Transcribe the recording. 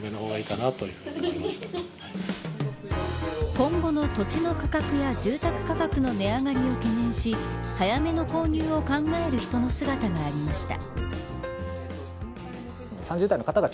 今後の土地の価格や住宅価格の値上がりを懸念し早めの購入を考える人の姿がありました。